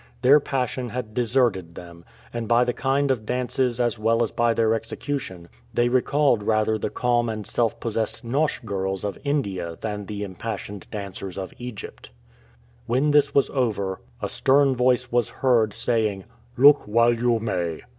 Their passion had deserted them, and, by the kind of dances as well as by their execution, they recalled rather the calm and self possessed nauch girls of India than the impassioned dancers of Egypt. When this was over, a stern voice was heard saying: "Look while you may!"